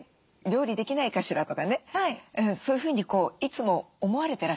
料理できないかしら」とかねそういうふうにいつも思われてらっしゃるんですかね？